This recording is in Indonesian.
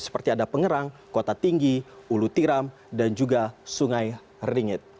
seperti ada pengerang kota tinggi ulu tiram dan juga sungai ringit